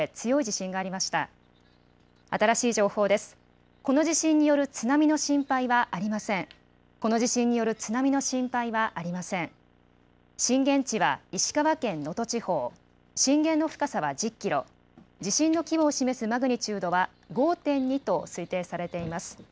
震源地は石川県能登地方、震源の深さは１０キロ、地震の規模を示すマグニチュードは５．２と推定されています。